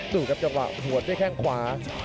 ดูครับจังหวะหัวด้วยแข้งขวา